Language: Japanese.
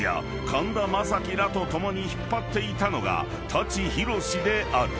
神田正輝らと共に引っ張っていたのが舘ひろしである］